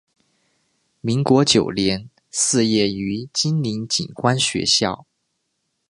民国九年肄业于金陵警官学校。